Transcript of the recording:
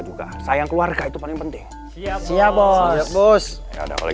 juga sayang keluarga itu paling penting siap siap bos bos ya udah